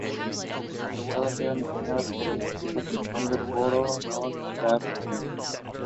It was occupied by the King of Sardinia during his brief exile.